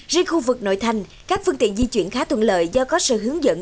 riêng khu vực nội thành các phương tiện di chuyển khá thuận lợi do có sự hướng dẫn